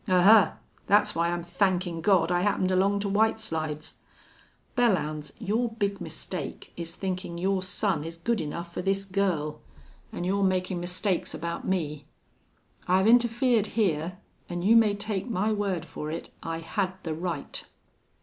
"Ahuh!... That's why I'm thankin' God I happened along to White Slides. Belllounds, your big mistake is thinkin' your son is good enough for this girl. An' you're makin' mistakes about me. I've interfered here, an' you may take my word for it I had the right."